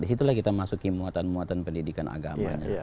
disitulah kita masuki muatan muatan pendidikan agamanya